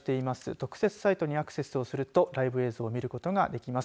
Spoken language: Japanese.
特設サイトにアクセスをするとライブ映像を見ることができます。